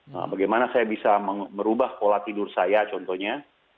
nah bagaimana saya bisa merubah pola tidur saya contohnya